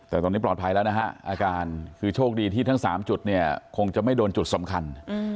แต่ตอนนี้ปลอดภัยแล้วนะฮะอาการคือโชคดีที่ทั้ง๓จุดเนี่ยคงจะไม่โดนจุดสำคัญ